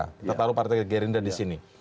kita tahu partai gerindra di sini